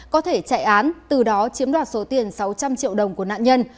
có thể chạy án từ đó chiếm đoạt số tiền sáu trăm linh triệu đồng của nạn nhân